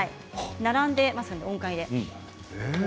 並んでいますので音階で。